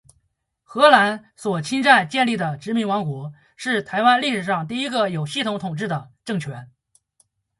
荷兰所侵占建立的殖民王国，是台湾历史上第一个有系统统治的政权。